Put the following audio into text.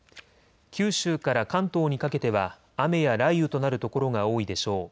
九州から関東にかけては雨や雷雨となる所が多いでしょう。